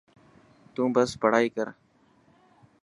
تون بس پڙهائي ڪر.